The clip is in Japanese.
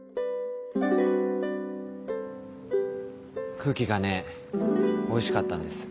空気がねおいしかったんです。